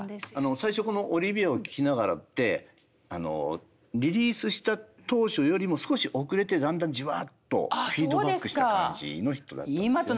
最初この「オリビアを聴きながら」ってリリースした当初よりも少し遅れてだんだんじわっとフィードバックした感じのヒットだったんですよね。